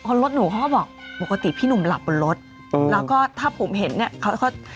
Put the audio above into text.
เพราะรถหนูเขาก็บอกปกติพี่หนุ่มหลับบนรถอืมแล้วก็ถ้าผมเห็นเนี้ยเขาเขา